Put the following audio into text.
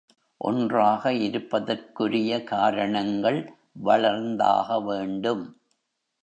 ஒன்றாக இருப்பதற்குரிய காரணங்கள் வளர்ந்தாகவேண்டும்.